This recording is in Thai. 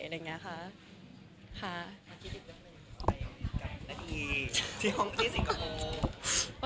อะไรอย่างเงี้ยค่ะ